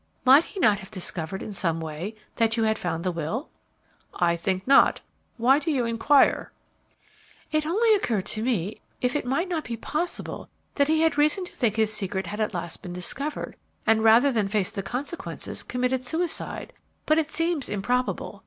"Might he not have discovered in some way that you had found the will?" "I think not. Why do you inquire?" "It only occurred to me if it might not be possible that he had reason to think his secret had at last been discovered, and, rather than face the consequences, committed suicide; but it seems improbable.